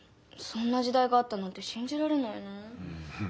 そんな時代があったなんてしんじられないな。